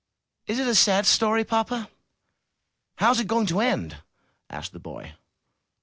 ''Is it a sad story, papa?'' "How is it going to end?" asked the boy.